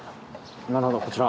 なるほどこちら。